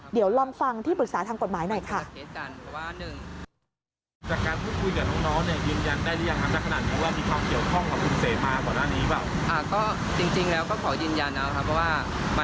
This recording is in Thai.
เดี๋ยวลองฟังที่ปรึกษาทางกฎหมายหน่อยค่ะ